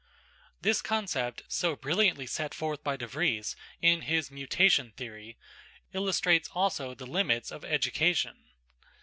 This concept, so brilliantly set forth by De Vries in his Mutation Theory, illustrates also the limits of education.